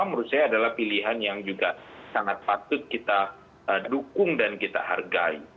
menurut saya adalah pilihan yang juga sangat patut kita dukung dan kita hargai